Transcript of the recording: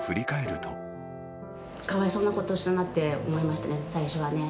かわいそうなことしたなって思いましたね、最初はね。